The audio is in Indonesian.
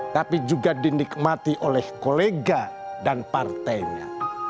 tapi juga dinikmati oleh kolega dan partainya